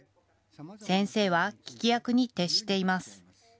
先生は聴き役に徹しています。